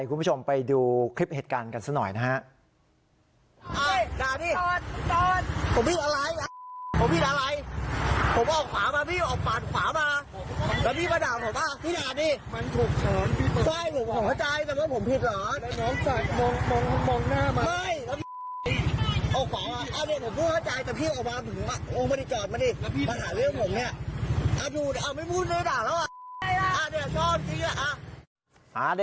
คุณผู้ชมไปดูคลิปเหตุการณ์กันซะหน่อยนะฮะ